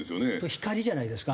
光じゃないですか？